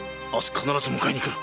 必ず迎えにくる！